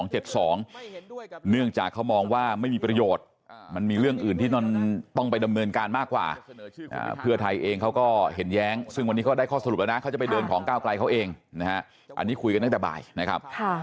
ของก้าวกลายเขาเองนะฮะอันนี้คุยกันตั้งแต่บ่ายนะครับ